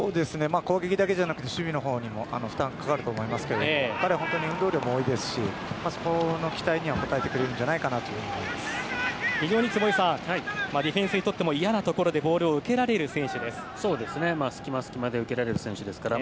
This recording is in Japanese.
攻撃だけじゃなくて守備のほうにも負担がかかると思いますけど彼は運動量も多いですしそこの期待には応えてくれるんじゃないかと非常に、坪井さんディフェンスにとっても嫌なところで隙間、隙間で受けられる選手ですから。